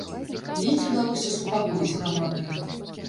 Ледзь удалося супакоіць грамаду.